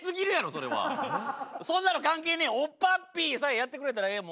そんなの関係ねえオッパッピーさえやってくれたらええ